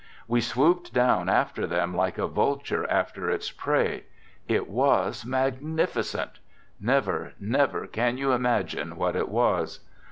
We swooped down after them like a vulture after its prey; it was magnificent. Never, never can you imagine what it was.